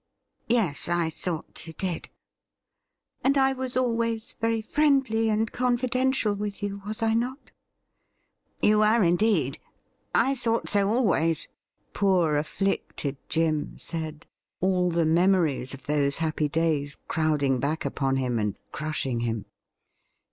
' Yes, I thought you did.' ' And I was always very friendly and confidential with you, was I not ?'' You were, indeed ; I thought so always,' poor afflicted Jim said, all the memories of those happy days crowding back upon him and crushing him.